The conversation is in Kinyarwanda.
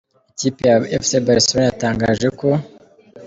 Ikipe ya Fc Barcelone yatangaje ko.